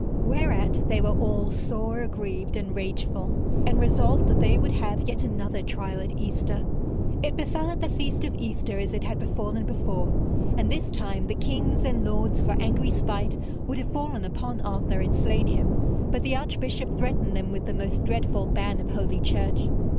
Whereat they were all sore aggrieved and rageful, and resolved that they would have yet another trial at Easter. It befell at the feast of Easter as it had befallen before, and this time the kings and lords for angry spite would have fallen upon Arthur and slain him, but the archbishop threatened them with the most dreadful ban of Holy Church.